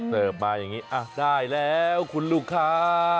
เสิร์ฟมาอย่างนี้ได้แล้วคุณลูกค้า